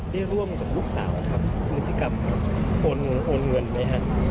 ได้ร่วมกับลูกสาวครับพฤติกรรมโอนเงินไหมฮะ